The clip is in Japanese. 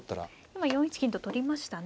今４一金と取りましたね。